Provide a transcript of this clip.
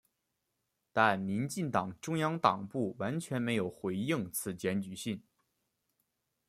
但民进党中央党部完全没有回应此检举信。